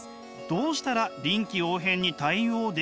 どうしたら臨機応変に対応できますか？」。